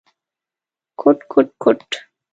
کوټ کوټ کوت…